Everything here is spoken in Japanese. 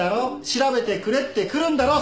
調べてくれって来るんだろ？